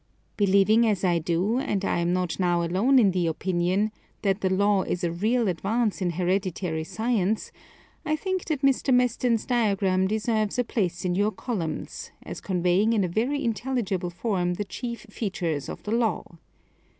Believing, as I do, and I am not now alone in the opinion, that the law is a real advance in hereditary science, I think that Mr. Meston's diagram deserves a place in your columns, as conveying in a very intelligible form the chief features of the law.